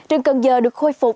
rừng cần giờ được khôi phục